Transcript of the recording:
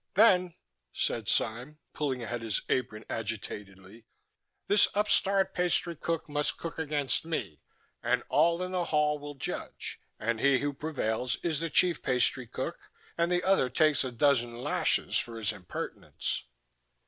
"Then," said Sime, pulling at his apron agitatedly, "this upstart pastry cook must cook against me; and all in the Hall will judge; and he who prevails is the Chief Pastry Cook, and the other takes a dozen lashes for his impertinence."